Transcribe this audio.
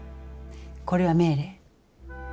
これは命令。